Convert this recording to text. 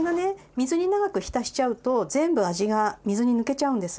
水に長く浸しちゃうと全部味が水に抜けちゃうんです。